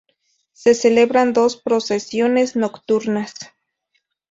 Se celebran dos procesiones nocturnas.